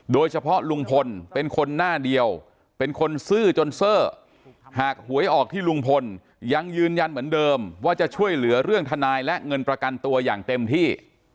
โดยเฉพาะลุงพลเป็นคนหน้าเดียวเป็นคนซื่อจนเซอร์หากหวยออกที่ลุงพลยังยืนยันเหมือนเดิมว่าจะช่วยเหลือเรื่องทนายและเงินประกันตัวอย่างเต็มที่